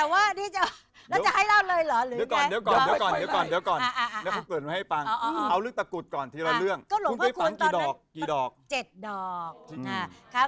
ว้าวว็ะตะว่าที่จะ